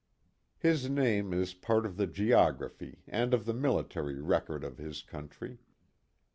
His name is part of the geography and of the military record of his country.